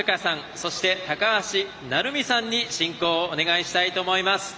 そして、高橋成美さんに進行をお願いしたいと思います。